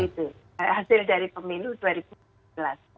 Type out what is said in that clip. hasil dari pemilu dua ribu empat belas